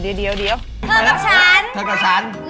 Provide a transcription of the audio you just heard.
แล้วก็เธอเก่ง